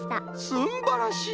すんばらしい！